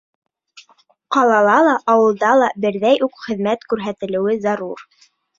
Ҡалала ла, ауылда ла берҙәй үк хеҙмәт күрһәтелеүе зарур.